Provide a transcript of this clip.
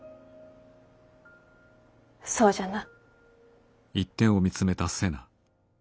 そうじゃな。